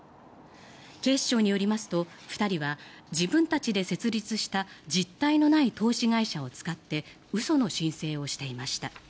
警視庁によりますと２人は自分たちで設立した実体のない投資会社を使って嘘の申請をしていました。